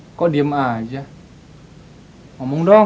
hai kok diem aja ngomong dong